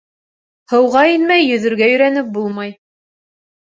Һыуға инмәй йөҙөргә өйрәнеп булмай.